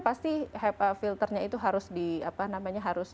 pasti hepa filternya itu harus